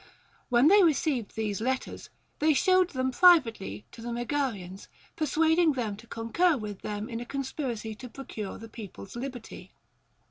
When they received these letters, they showed them privately to the Megarians, persuading them to concur with them in a con spiracy to procure the people's liberty.